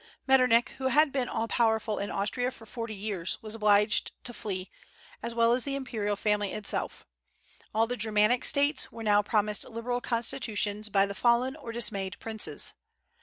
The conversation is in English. Metternich, who had been all powerful in Austria for forty years, was obliged to flee, as well as the imperial family itself. All the Germanic States were now promised liberal constitutions by the fallen or dismayed princes.